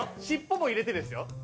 尻尾も入れてですよ。